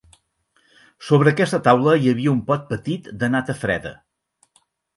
Sobre aquesta taula hi havia un pot petit de nata freda.